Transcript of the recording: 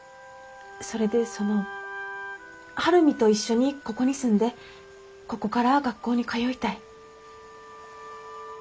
それでその晴海と一緒にここに住んでここから学校に通いたい。